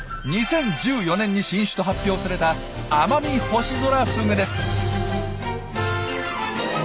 ２０１４年に新種と発表されたアマミホシゾラフグです。